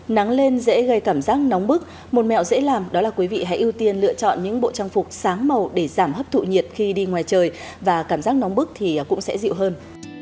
nắng lên dễ gây cảm giác nóng bức một mẹo dễ làm đó là quý vị hãy ưu tiên lựa chọn những bộ trang phục sáng màu để giảm hấp thụ nhiệt khi đi ngoài trời và cảm giác nóng bức thì cũng sẽ dịu hơn